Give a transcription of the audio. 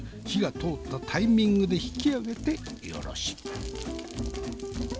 火が通ったタイミングで引き上げてよろしい。